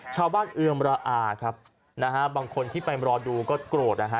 เอือมระอาครับนะฮะบางคนที่ไปรอดูก็โกรธนะฮะ